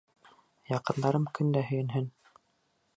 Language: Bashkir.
Яҡындарым көн дә һөйөнһөн